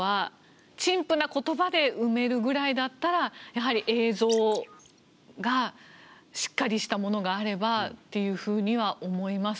陳腐な言葉で埋めるぐらいだったらやはり映像がしっかりしたものがあればっていうふうには思います。